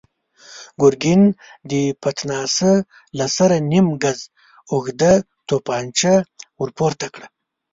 ګرګين د پتناسه له سره نيم ګز اوږده توپانچه ور پورته کړه.